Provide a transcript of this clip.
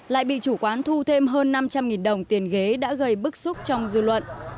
lại bị chủ quán thu thêm hơn năm trăm linh đồng tiền ghế đã gây bức xúc trong dư luận